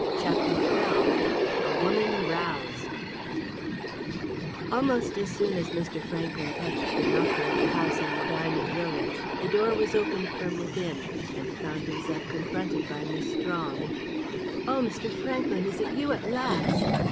CHAPTER XII A WOMAN ROUSED Almost as soon as Mr. Franklyn touched the knocker of the house in Medina Villas, the door was opened from within, and he found himself confronted by Miss Strong. "Oh, Mr. Franklyn, is it you at last?"